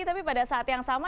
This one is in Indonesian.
tapi pada saat yang sama